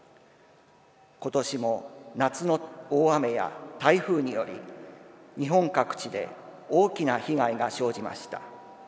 今年も、夏の大雨や台風により日本各地で大きな被害が生じました。